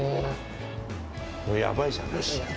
やばいじゃない。